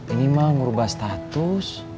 ini mah ngerubah status